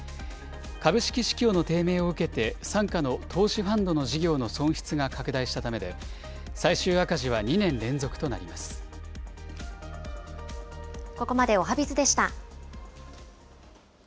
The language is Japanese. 株式市況の低迷を受けて、傘下の投資ファンドの事業の損失が拡大したためで、最終赤字は２ここまでおはＢｉｚでした。